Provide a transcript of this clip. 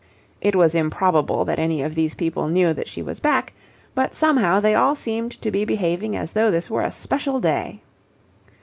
It was improbable that any of these people knew that she was back, but somehow they all seemed to be behaving as though this were a special day.